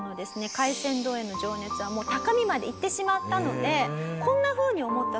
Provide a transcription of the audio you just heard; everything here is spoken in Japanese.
海鮮丼への情熱はもう高みまで行ってしまったのでこんなふうに思ったそうなんです。